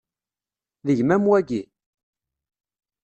D gma-m wagi?